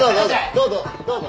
どうぞどうぞ。